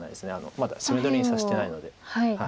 まだ攻め取りにさせてないので。